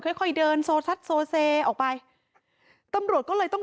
ค่อยเดินโสลซาดโสลเซออกไปตำรวจก็เลยต้อง